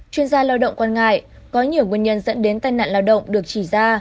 chuyên gia lao động quan ngại có nhiều nguyên nhân dẫn đến tai nạn lao động được chỉ ra